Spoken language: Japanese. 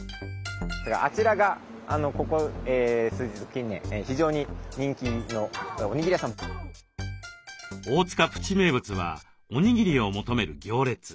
あちらがここ近年非常に大塚プチ名物はおにぎりを求める行列。